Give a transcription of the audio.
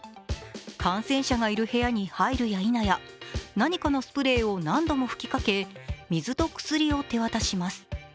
感染者がいる部屋に入るやいなや、何かのスプレーを何度も吹きかけ水と薬を手渡します。